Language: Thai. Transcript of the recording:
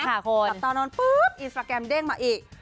หลับตานอนปุ๊บอินสตราแกรมเด้งมาอีก